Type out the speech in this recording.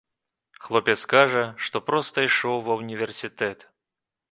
Хлопец кажа, што проста ішоў ва ўніверсітэт.